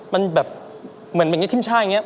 มันแบบเหมือนมันก็ขึ้นชายอย่างเงี้ย